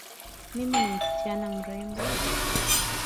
Mimi ni msichana mrembo.